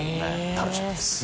楽しみです。